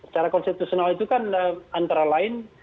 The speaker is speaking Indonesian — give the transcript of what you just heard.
cara konstitusional itu kan antara lain